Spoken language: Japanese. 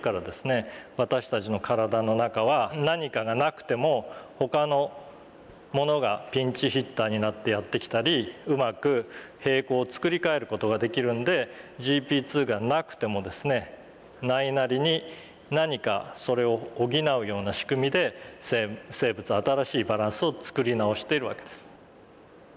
私たちの体の中は何かがなくても他のものがピンチヒッターになってやってきたりうまく平衡を作り替える事ができるんでＧＰ２がなくてもですねないなりに何かそれを補うような仕組みで生物は新しいバランスを作り直しているわけです。